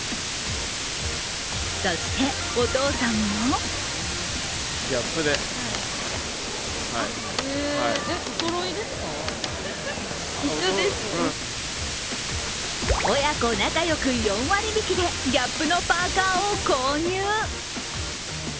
そして、お父さんも親子仲良く４割引でＧＡＰのパーカーを購入。